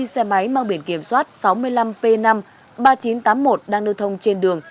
xe máy mang biển kiểm soát sáu mươi năm p năm ba nghìn chín trăm tám mươi một đang lưu thông trên đường